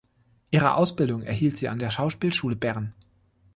Ihre Ausbildung erhielt sie an der Schauspielschule Bern.